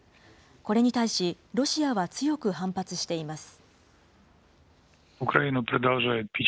これに対し、ロシアは強く反発しています。